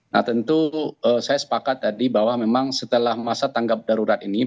nah tentu saya sepakat tadi bahwa memang setelah masa tanggap darurat ini